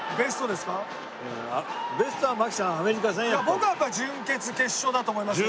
僕はやっぱり準決決勝だと思いますけどね。